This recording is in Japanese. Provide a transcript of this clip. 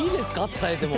伝えても。